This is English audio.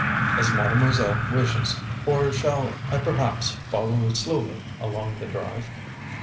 "As mademoiselle wishes. Or shall I perhaps follow slowly along the drive?"